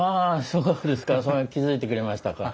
そうですかそれに気付いてくれましたか。